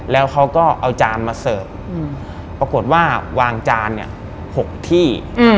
แล้วเขาก็เอาจานมาเสิร์ฟปรากฏว่าวางจานเนี่ย๖ที่